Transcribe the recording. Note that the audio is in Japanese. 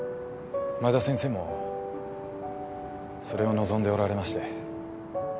前田先生もそれを望んでおられまして。